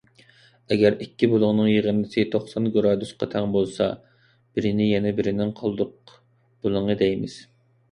ئەگەر ئىككى بۇلۇڭنىڭ يىغىندىسى توقسان گىرادۇسقا تەڭ بولسا، بىرىنى يەنە بىرىنىڭ قالدۇق بۇلۇڭى دەيمىز.